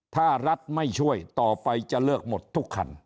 ถ้ารัฐไม่ช่วยต่อไปจะเลิกหมดทุกคัน